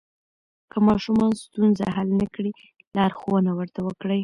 که ماشوم ستونزه حل نه کړي، لارښوونه ورته وکړئ.